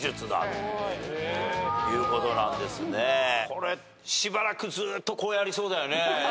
これしばらくずっとこうやりそうだよね。